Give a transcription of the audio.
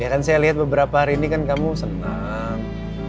ya kan saya lihat beberapa hari ini kan kamu senang